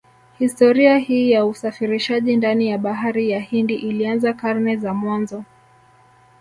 Historia hii ya usafirishaji ndani ya bahari ya Hindi ilianza karne za mwanzo